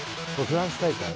フランス大会。